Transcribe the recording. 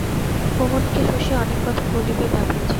কুমুদকে শশী অনেক কথা বলিবে ভাবিয়াছিল।